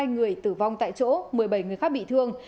hai người tử vong tại chỗ một mươi bảy người khác bị thương